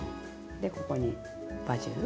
でここにバジル。